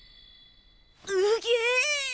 うげえ。